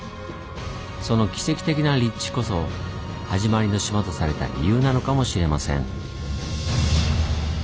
その奇跡的な立地こそ「はじまりの島」とされた理由なのかもしれません。